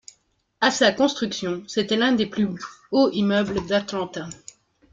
À sa construction, c'était l'un des plus hauts immeubles d'Atlanta.